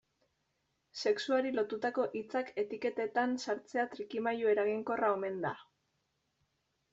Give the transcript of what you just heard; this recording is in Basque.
Sexuari lotutako hitzak etiketetan sartzea trikimailu eraginkorra omen da.